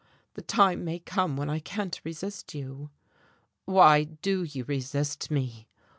The time may come when I can't resist you." "Why do you resist me?"